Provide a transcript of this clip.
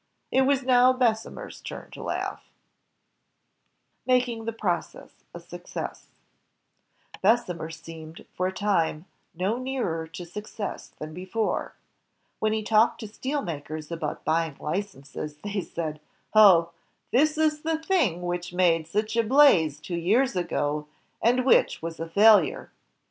It was now Bessemer's turn to laugh. l82 INVENTIONS OF MANUFACTUKE AND PRODUCTION Making the Fkocess a Success Bessemer seemed for a time no nearer to success than before. When he talked to steel makers about buying licenses, they said: "Oh, this is the thing which made such a blaze two years ago, and which was a failure."